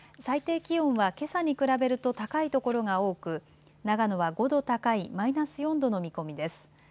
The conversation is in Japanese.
最低気温はけさに比べると高い所が多く長野は５度高いマイナス４度の見込みです。